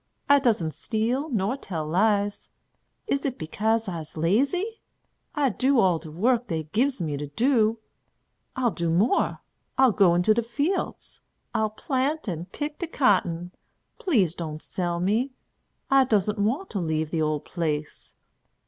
I doesn't steal nor tell lies. Is it bekase I'se lazy? I do all de work dey gives me to do. I'll do more. I'll go into de fields. I'll plant and pick de cotton. Please don't sell me. I doesn't want to leave de ole place.